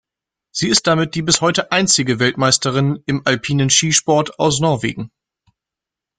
Sie ist damit die bis heute einzige Weltmeisterin im Alpinen Skisport aus Norwegen.